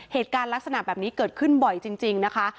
เหตุการณ์ลักษณะแบบนี้เกิดขึ้นบ่อยจริงนะคะ